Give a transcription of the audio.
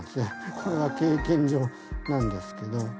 これは経験上なんですけど。